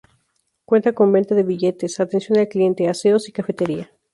Cuenta con venta de billetes, atención al cliente, aseos y cafetería.